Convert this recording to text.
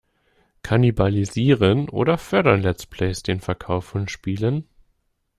Kannibalisieren oder fördern Let's Plays den Verkauf von Spielen?